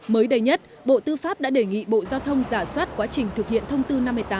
mới đây nhất bộ tư pháp đã đề nghị bộ giao thông giả soát quá trình thực hiện thông tư năm mươi tám